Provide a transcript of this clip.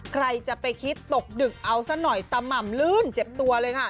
ใครจะไปคิดตกดึกเอาซะหน่อยตะหม่ำลื่นเจ็บตัวเลยค่ะ